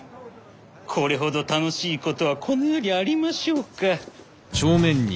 これほど楽しいことはこの世にありましょうか。